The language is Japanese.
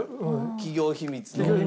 企業秘密の。